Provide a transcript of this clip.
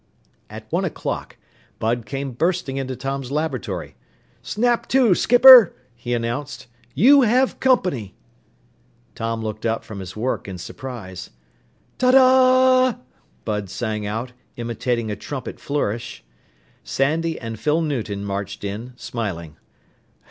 At one o'clock Bud came bursting into Tom's laboratory. "Snap to, skipper!" he announced. "You have company!" Tom looked up from his work in surprise. "Ta daaa!" Bud sang out, imitating a trumpet flourish. Sandy and Phyl Newton marched in, smiling.